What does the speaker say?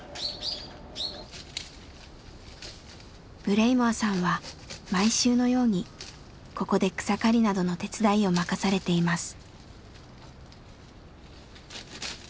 ブレイモアさんは毎週のようにここで草刈りなどの手伝いを任されています。